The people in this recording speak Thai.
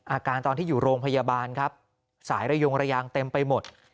อาการตอนที่อยู่โรงพยาบาลครับสายระยงระยางเต็มไปหมด